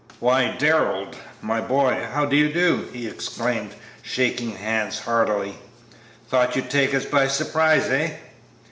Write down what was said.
"Why, Darrell, my boy, how do you do?" he exclaimed, shaking hands heartily; "thought you'd take us by surprise, eh?